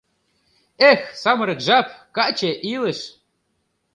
Эх, самырык жап, каче илыш!